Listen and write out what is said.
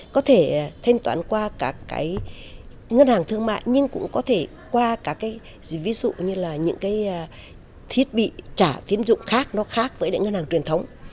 có thể thanh toán qua các cái ngân hàng thương mại nhưng cũng có thể qua các cái ví dụ như là những cái thiết bị trả tiến dụng khác nó khác với những ngân hàng truyền thống